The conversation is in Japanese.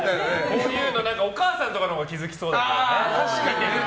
こういうのお母さんとかのほうが気付きそうだよね。